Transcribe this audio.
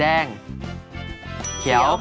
แดงเขียว